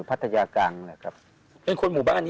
บ๊วยบ๊วยบ๊วยบ๊วย